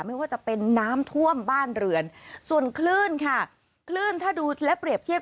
ไม่ว่าจะเป็นน้ำท่วมบ้านเรือนส่วนคลื่นค่ะคลื่นถ้าดูและเปรียบเทียบ